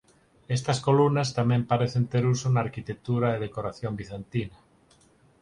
Estas columnas tamén parecen ter uso na arquitectura e decoración bizantina.